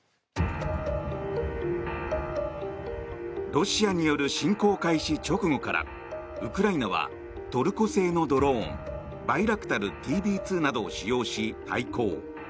ロシアによる侵攻開始直後からウクライナはトルコ製のドローンバイラクタルＴＢ２などを使用し対抗。